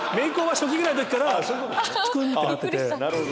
初期ぐらいの時からトクンってなってて。